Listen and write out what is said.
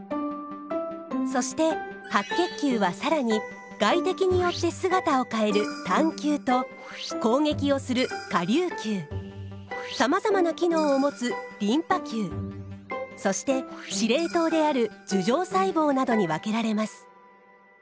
そして白血球は更に外敵によって姿を変える単球と攻撃をする顆粒球さまざまな機能を持つリンパ球そして司令塔である樹状細胞などに分けられます。